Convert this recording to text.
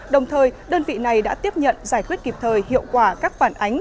đồng thời đơn vị này đã tiếp nhận giải quyết kịp thời hiệu quả các phản ánh